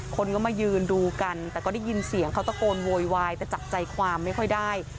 คนก็มายืนดูกันแต่ก็ได้ยินเสียงเขาตะโกนโวยวายแต่จับใจความไม่ค่อยได้